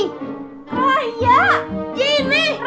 ini batas luasnya si cahit